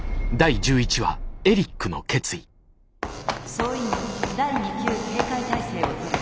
「総員第２級警戒態勢をとれ。